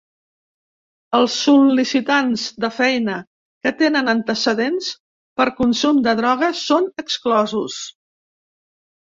Els sol·licitants de feina que tenen antecedents per consum de droga són exclosos.